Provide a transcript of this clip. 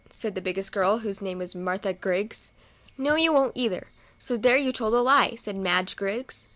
said the biggest girl, whose name was Martha Griggs. " No you w T on't, either, so there you told a lie," said Madge Griggs.